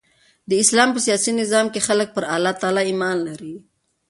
د اسلام په سیاسي نظام کښي خلک پر الله تعالي ایمان لري.